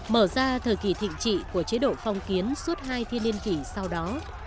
mở ra thời kỳ thịnh trị của chế độ phong kiến suốt hai thiên niên kỷ sau đó